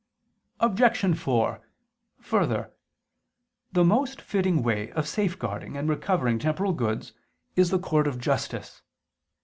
Obj. 4: Further, the most fitting way of safeguarding and recovering temporal goods is the court of justice.